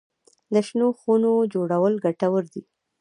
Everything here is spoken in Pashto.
د شنو خونو جوړول ګټور دي؟